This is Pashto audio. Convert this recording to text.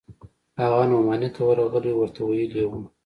هغه نعماني ته ورغلى و ورته ويلي يې و.